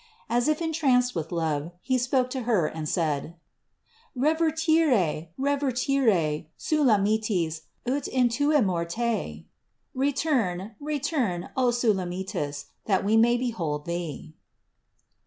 As if entranced with love, He spoke to Her and said: "Revertere, revertere, Sulamitis, ut intueamur te" (Return, return, O Sulamitess, that We may behold thee).